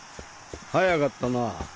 早かったな。